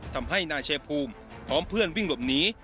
ทำให้นายชายภูมิพร้อมเพื่อนวิ่งหลบหนี